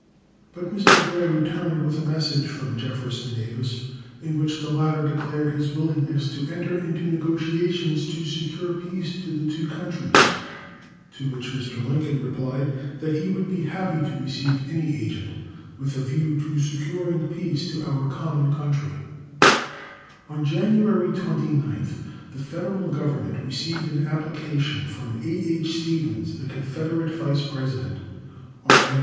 But Mr. Blair returned with a message from Jefferson Davis, in which the latter declared his willingness to enter into negotiations to secure peace to the two countries. To which Mr. Lincoln replied that he would be happy to receive any agent with a view to securing peace to our common country. On January 29th, the Federal Government received an application from A. H. Stephens, the Confederate Vice President, R. M.